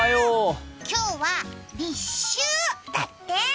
今日は立秋だって。